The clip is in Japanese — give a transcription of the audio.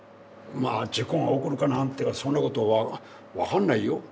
まあ事故が起こるかなんてはそんなこと分かんないよ。